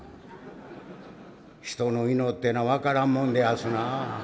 「人の命ってのは分からんもんでやすなぁ」。